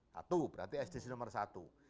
satu berarti sdc nomor satu